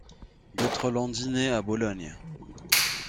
D'autres l'ont dit né à Bologne.